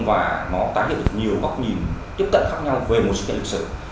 và nó tái hiện được nhiều góc nhìn tiếp cận khác nhau về một sự kiện lịch sử